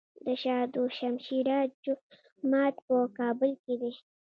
د شاه دوشمشیره جومات په کابل کې دی